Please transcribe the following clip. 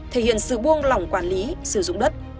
thể hiện sự buông lỏng quản lý sử dụng đất